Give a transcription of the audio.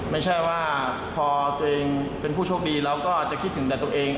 ไม่ใช่ว่าพอตัวเองเป็นผู้โชคดีเราก็จะคิดถึงแต่ตัวเอง